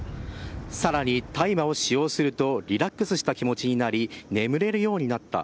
さらに大麻を使用すると、リラックスした気持ちになり、眠れるようになった。